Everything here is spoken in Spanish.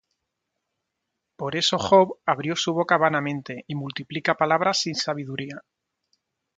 Por eso Job abrió su boca vanamente, Y multiplica palabras sin sabiduría.